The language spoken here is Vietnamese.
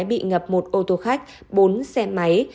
bị ngập một ô tô khách bốn xe máy